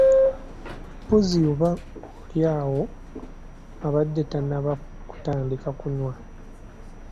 Mpozzi oba oli awo abadde tannaba kutandika kunywa.